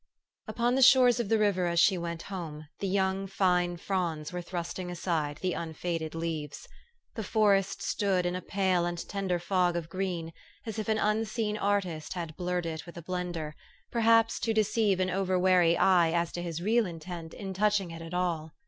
UPON the shores of the river as she went home, the young fine fronds were thrusting aside the unfaded leaves. The forest stood in a pale and tender fog of green, as if an unseen artist had blurred it with a blender, perhaps to deceive an over wary eye as to his real intent in touching it at all.